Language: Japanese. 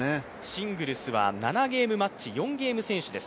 シングルスは７ゲームマッチ、４ゲーム先取です。